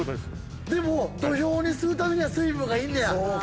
でも土俵にするためには水分がいんねや。